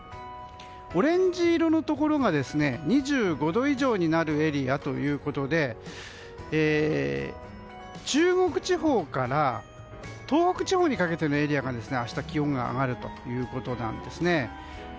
オレンジ色のところが２５度以上になるエリアで中国地方から東北地方にかけてのエリアが明日、気温が上がるということですね。